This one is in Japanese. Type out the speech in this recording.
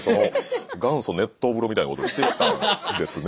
元祖熱湯風呂みたいなことしてたんですね。